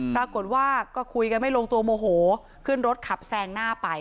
ปรากฏว่าก็คุยกันไม่ลงตัวโมโหขึ้นรถขับแซงหน้าไป